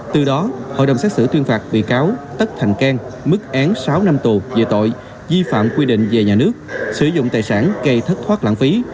từ đó hội đồng xét xử tuyên phạt bị cáo tất thành cang mức án sáu năm tù về tội vi phạm quy định về nhà nước sử dụng tài sản gây thất thoát lãng phí